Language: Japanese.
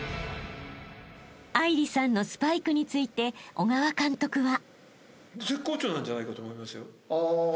［愛梨さんのスパイクについて小川監督は］